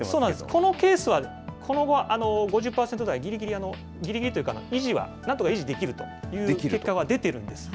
このケースは、５０％台ぎりぎり、ぎりぎりというか、維持は、なんとか維持はできるという結果は出ているんです。